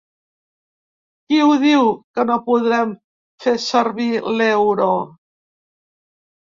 Qui ho diu, que no podrem fer servir l’euro?